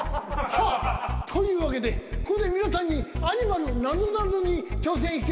さあというわけでここで皆さんにアニマルのなぞなぞに挑戦していただきましょう。